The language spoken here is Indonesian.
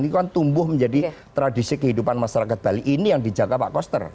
ini kan tumbuh menjadi tradisi kehidupan masyarakat bali ini yang dijaga pak koster